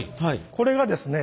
これがですね。